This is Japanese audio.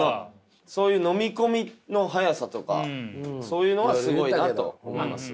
そういう飲み込みの早さとかそういうのはすごいなと思います。